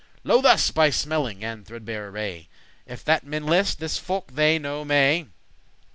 Lo, thus by smelling and threadbare array, If that men list, this folk they knowe may.